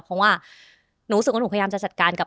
หนูรู้สึกว่าหนูพยายามจะจัดการกับ